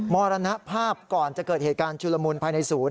มรณภาพก่อนจะเกิดเหตุการณ์ชุลมุนภายในศูนย์